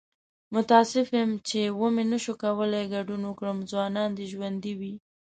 متاسف یم چې و مې نشو کولی ګډون وکړم. ځوانان دې ژوندي وي!